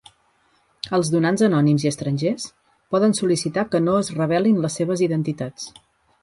Els donants anònims i estrangers poden sol·licitar que no es revelin les seves identitats.